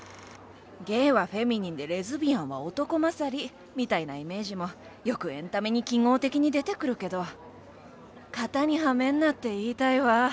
ゲイはフェミニンでレズビアンは男勝りみたいなイメージもよくエンタメに記号的に出てくるけど型にはめんなって言いたいわ。